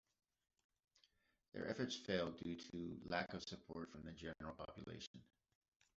Their efforts failed due to lack of support from the general population.